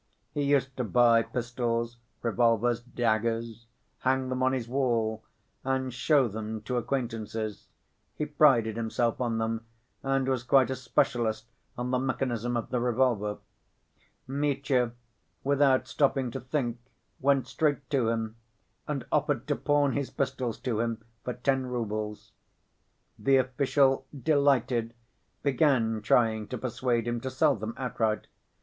He used to buy pistols, revolvers, daggers, hang them on his wall and show them to acquaintances. He prided himself on them, and was quite a specialist on the mechanism of the revolver. Mitya, without stopping to think, went straight to him, and offered to pawn his pistols to him for ten roubles. The official, delighted, began trying to persuade him to sell them outright.